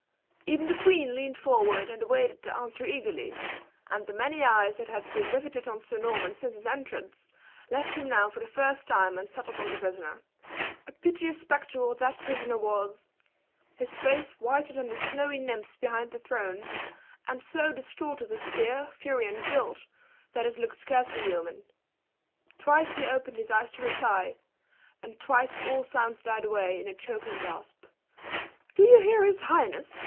Even the queen leaned forward and awaited the answer eagerly, and the many eyes that had been riveted on Sir Norman since his entrance, left him now for the first time and settled on the prisoner. A piteous spectacle that prisoner was his face whiter than the snowy nymphs behind the throne, and so distorted with fear, fury, and guilt, that it looked scarcely human. Twice he opened his eyes to reply, and twice all sounds died away in a choking gasp. "Do you hear his highness?"